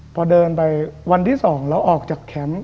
พอเดินไปวันที่๒แล้วออกจากแคมป์